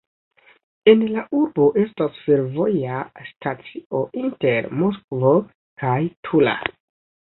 En la urbo estas fervoja stacio inter Moskvo kaj Tula.